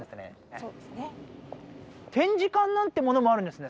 そうですね展示館なんてものもあるんですね